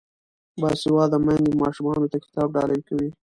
باسواده میندې ماشومانو ته کتاب ډالۍ کوي.